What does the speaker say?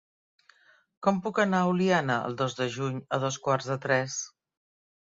Com puc anar a Oliana el dos de juny a dos quarts de tres?